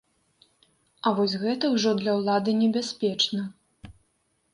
А вось гэта ўжо для ўлады небяспечна.